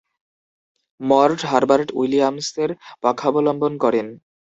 Morte Herbert উইলিয়ামসের পক্ষাবলম্বন করেন।